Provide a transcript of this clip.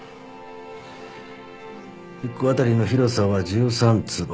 一戸当たりの広さは１３坪。